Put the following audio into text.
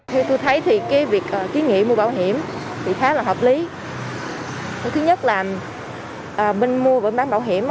thì tôi thấy thì cái việc ký nghĩa mua bảo hiểm thì khá là hợp lý thứ nhất là mình mua bảo hiểm